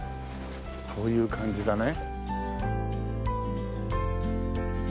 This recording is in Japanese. こういう感じだね。